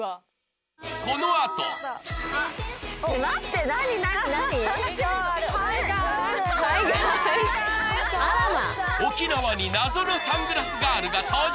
この後沖縄に謎のサングラスガールが登場